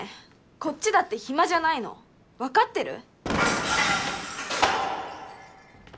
こっちだって暇じゃないのわかってる？